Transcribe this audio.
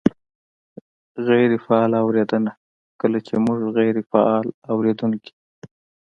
-غیرې فعاله اورېدنه : کله چې مونږ غیرې فعال اورېدونکي